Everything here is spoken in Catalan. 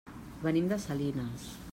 Venim de Salinas.